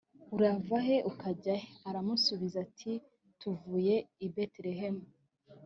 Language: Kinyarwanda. urava he ukajya he? aramusubiza ati tuvuye i betelehemu